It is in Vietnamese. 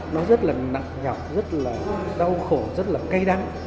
nó rất là nặng nhọc rất là đau khổ rất là cay đắng